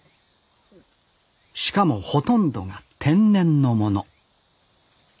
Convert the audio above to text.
しかもほとんどが天然のもの